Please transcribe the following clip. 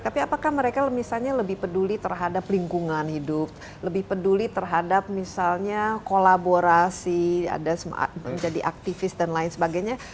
tapi apakah mereka misalnya lebih peduli terhadap lingkungan hidup lebih peduli terhadap misalnya kolaborasi ada menjadi aktivis dan lain sebagainya